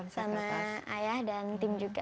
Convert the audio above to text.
sama ayah dan tim juga